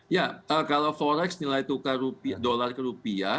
ya kalau forex nilai tukar rupiah dolar ke rupiah